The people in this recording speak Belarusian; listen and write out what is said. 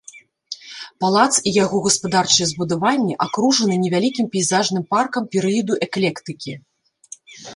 Палац і яго гаспадарчыя збудаванні акружаны невялікім пейзажным паркам перыяду эклектыкі.